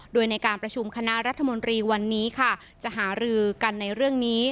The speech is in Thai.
โดยในการประชุมคณะรัฐมนตรีวันนี้ค่ะจะหารือกันในเรื่องนี้